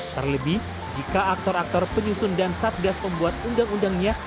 terlebih jika aktor aktor penyusun dan satgas pembuat undang undangnya